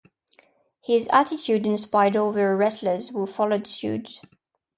His attitude inspired other wrestlers who followed suit.